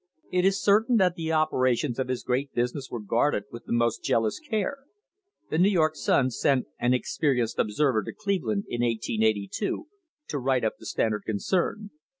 It is certain that the operations of his great business were guarded with the most jealous care. The New York Sun sent an "experienced observer" to Cleveland in 1882 to write up the Standard concern.